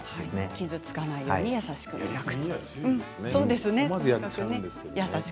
傷つかないように優しく磨く。